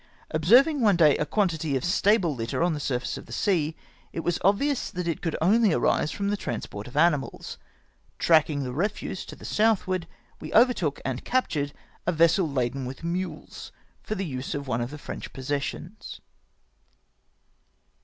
Observing one day a quantity of stable litter on the surflice of the sea, it was obvious that it could only arise from the transport of animals. Tracking the refuse to the southward, we overtook and captured a vessel laden with mules for the use of one of the French possessions.